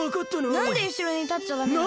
なんでうしろにたっちゃダメなの？